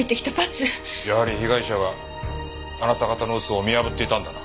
やはり被害者はあなた方の嘘を見破っていたんだな？